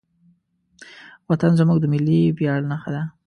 وطن زموږ د ملي ویاړ نښه ده.